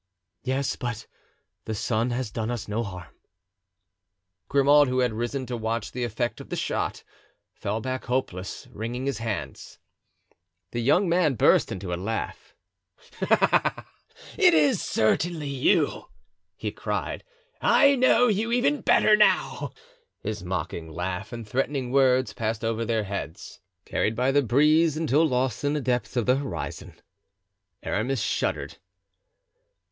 "Yes, but the son has done us no harm." Grimaud, who had risen to watch the effect of the shot, fell back hopeless, wringing his hands. The young man burst into a laugh. "Ah, it is certainly you!" he cried. "I know you even better now." His mocking laugh and threatening words passed over their heads, carried by the breeze, until lost in the depths of the horizon. Aramis shuddered.